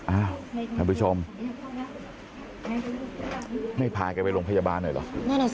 อ้าวท่านผู้ชมไม่พาเขาไปโรงพยาบาลหน่อยเหรอ